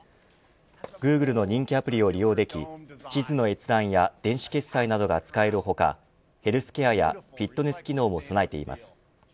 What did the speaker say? グーグルの人気アプリを利用でき地図の閲覧や電子決済などが使える他ヘルスケアやフィットネス機能も備えています。